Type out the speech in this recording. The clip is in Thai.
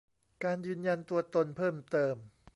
การยืนยันตัวตนเพิ่มเติม